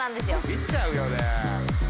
見ちゃうよね。